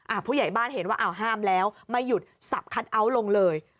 ผู้ใหญ่บ้านเห็นว่าอ้าวห้ามแล้วไม่หยุดสับคัทเอาท์ลงเลย